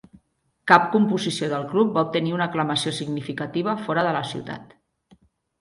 Cap composició del club va obtenir una aclamació significativa fora de la ciutat.